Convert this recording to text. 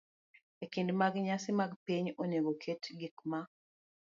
E kinde mag nyasi mag piny, onego oket gik ma